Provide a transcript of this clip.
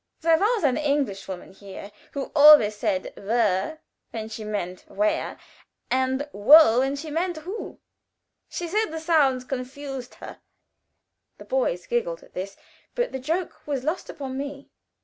There was an English woman here who always said wer when she meant where, and wo when she meant who. She said the sounds confused her." The boys giggled at this, but the joke was lost upon me.